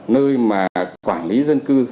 nơi mà quản lý dân cư